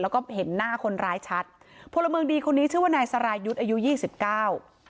แล้วก็เห็นหน้าคนร้ายชัดพลเมืองดีคนนี้ชื่อว่านายสรายุทธ์อายุยี่สิบเก้า